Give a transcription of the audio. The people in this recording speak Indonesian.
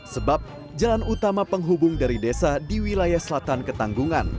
sebab jalan utama penghubung dari desa di wilayah selatan ketanggungan